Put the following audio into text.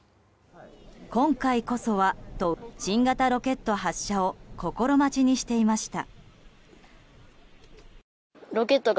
今回こそはと新型ロケット発射を心待ちにしていました。